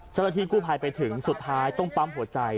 เจ้าหน้าที่กู้ภัยไปถึงสุดท้ายต้องปั๊มหัวใจ